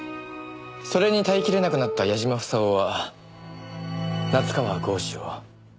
それに耐えきれなくなった矢嶋房夫は夏河郷士を。